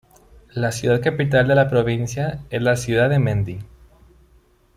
La ciudad capital de la provincia es la ciudad de Mendi.